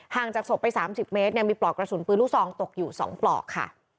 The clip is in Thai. จากศพไป๓๐เมตรมีปลอกกระสุนปืนลูกซองตกอยู่๒ปลอกค่ะ